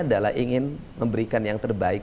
adalah ingin memberikan yang terbaik